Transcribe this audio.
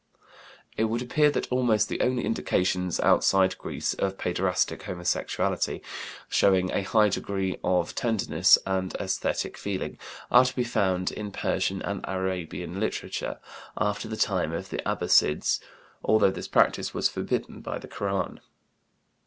It would appear that almost the only indications outside Greece of paiderastic homosexuality showing a high degree of tenderness and esthetic feeling are to be found in Persian and Arabian literature, after the time of the Abbasids, although this practice was forbidden by the Koran.